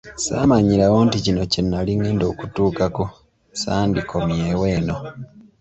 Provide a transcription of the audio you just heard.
"Ssaamanyirawo nti kino kye nnali ngenda okutuukako, ssandikomyewo eno."